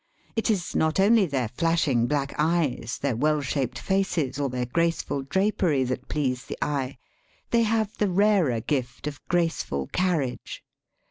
It is not only their flashing black eyes, their well shaped faces, or their graceful drapery that please the eye. They have the rarer gift of graceful carriage.